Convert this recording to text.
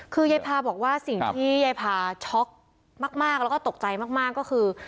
คือยายพาบอกว่าสิ่งที่ยายพาช็อกมากแล้วก็ตกใจมากก็คือ